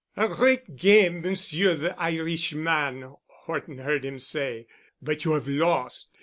"A great game, Monsieur the Irishman," Horton heard him say, "but you have lost.